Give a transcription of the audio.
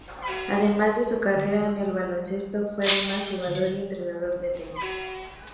Además de su carrera en el baloncesto, fue además jugador y entrenador de tenis.